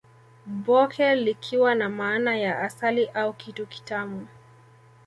Bhoke likiwa na maana ya asali au kitu kitamu